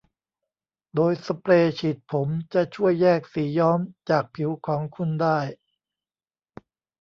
โดยสเปรย์ฉีดผมจะช่วยแยกสีย้อมจากผิวของคุณได้